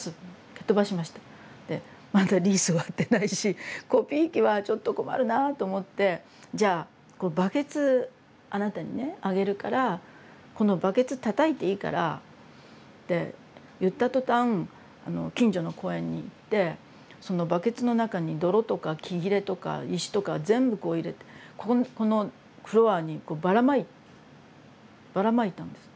でまだリース終わってないしコピー機はちょっと困るなあと思って「じゃあバケツあなたにねあげるからこのバケツたたいていいから」って言った途端近所の公園に行ってそのバケツの中に泥とか木切れとか石とか全部こう入れてこのフロアにばらまいたんです。